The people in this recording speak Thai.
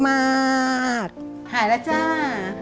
หายแล้วจ้า